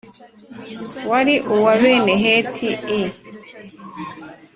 wari uwa bene Heti i